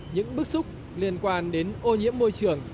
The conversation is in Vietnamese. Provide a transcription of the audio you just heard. những bức xúc liên quan đến ô nhiễm môi trường